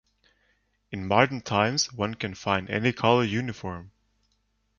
In modern times, one can find any color uniform.